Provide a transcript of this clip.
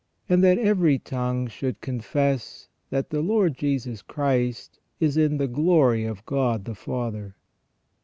And that every tongue should confess that the Lord Jesus Christ is in the glory of God the Father."